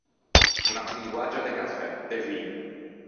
Unna fondoaggia de cafè, de vin.